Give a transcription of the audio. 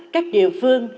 các địa phương